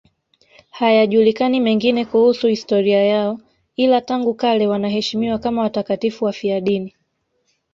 Hayajulikani mengine kuhusu historia yao, ila tangu kale wanaheshimiwa kama watakatifu wafiadini.